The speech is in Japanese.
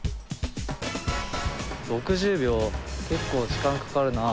６０秒結構時間かかるなあ。